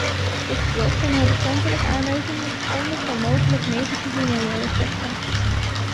Tot slot zijn er recentelijk aanwijzingen gevonden voor mogelijk negatieve milieueffecten.